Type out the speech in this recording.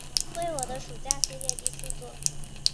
为我的暑假系列第四作。